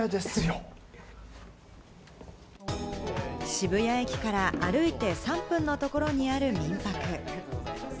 渋谷駅から歩いて３分のところにある民泊。